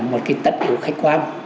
một cái tất yếu khách quan